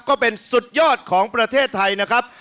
ก็เป็นสุดยอดของประเทศไทยนะครับ